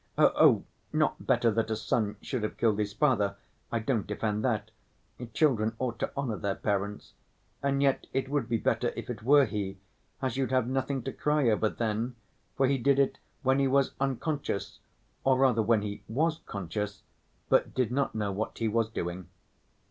Oh! not better that a son should have killed his father, I don't defend that. Children ought to honor their parents, and yet it would be better if it were he, as you'd have nothing to cry over then, for he did it when he was unconscious or rather when he was conscious, but did not know what he was doing.